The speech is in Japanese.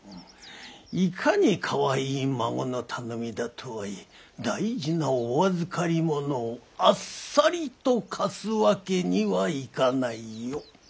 いかにかわいい孫の頼みだとはいえ大事なお預かりものをあっさりと貸すわけにはいかないよ。